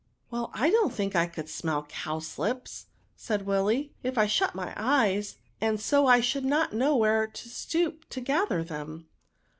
" Well, I don't think I could smell cow slips^" said Willy, " if I shut my eyes, and so I should not know where to stoop down to gather them."